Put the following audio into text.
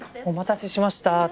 お待たせしました。